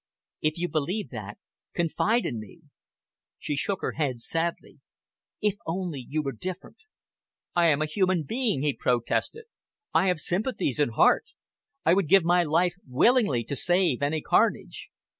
"If you believe that, confide in me." She shook her head sadly. "If only you were different!" "I am a human being," he protested. "I have sympathies and heart. I would give my life willingly to save any carnage."